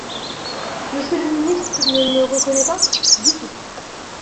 Monsieur le ministre ne me reconnaît pas ? Du tout.